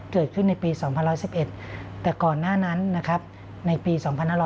เกิดขึ้นในปี๒๑๑๑แต่ก่อนหน้านั้นในปี๒๐๑๕